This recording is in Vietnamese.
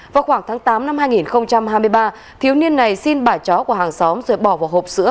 vào khoảng tháng tám năm hai nghìn hai mươi ba thiếu niên này xin bả chó của hàng xóm rồi bỏ vào hộp sữa